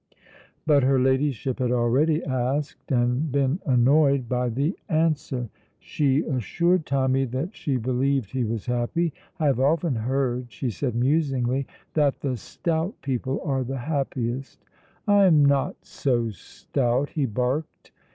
But her Ladyship had already asked, and been annoyed by the answer. She assured Tommy that she believed he was happy. "I have often heard," she said musingly, "that the stout people are the happiest." "I am not so stout," he barked.